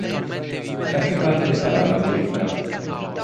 Da che parte starà la verità?